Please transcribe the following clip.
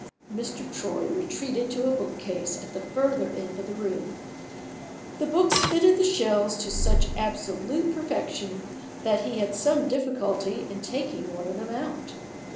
Mr. Troy retreated to a bookcase at the further end of the room. The books fitted the shelves to such absolute perfection that he had some difficulty in taking one of them out.